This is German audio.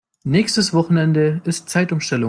Nächstes Wochenende ist Zeitumstellung.